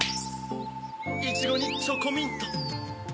いちごにチョコミント。